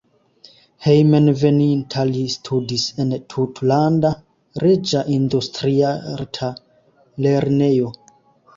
Hejmenveninta li studis en Tutlanda Reĝa Industriarta Lernejo.